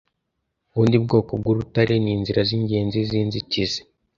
ubundi bwoko bwurutare ninzira zingenzi zinzitizi